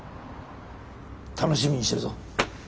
楽しみにしてるぞ。